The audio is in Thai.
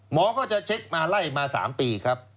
หมอก็จะเช็คมาไล่มา๓ปีครับ